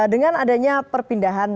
dengan adanya perpindahan